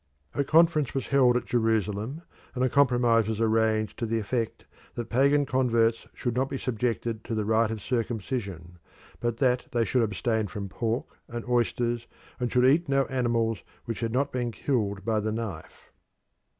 A conference was held at Jerusalem, and a compromise was arranged to the effect that pagan converts should not be subjected to the rite of circumcision, but that they should abstain from pork and oysters and should eat no animals which had not been killed by the knife.